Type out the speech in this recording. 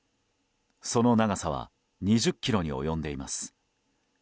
その長さは２０ｋｍに及んでいます。